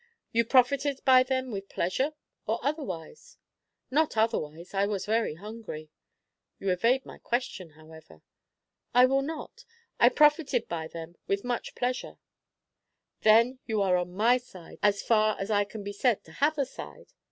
"You profited by them with pleasure, or otherwise?" "Not otherwise. I was very hungry." "You evade my question, however." "I will not. I profited by them with much pleasure." "Then you are on my side, as far as I can be said to have a side?"